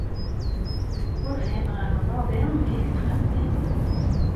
Ur fhimeɣ ara maḍi amek yettxemmim.